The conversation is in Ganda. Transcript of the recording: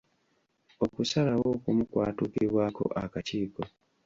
Okusalawo okumu kwatuukibwako akakiiko.